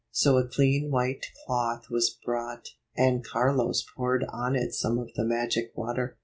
So a clean white cloth was brought, and Carlos poured on it some of the magic water.